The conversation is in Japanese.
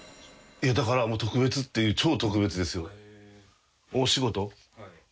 いやだからもう特別っていう超特別ですよ。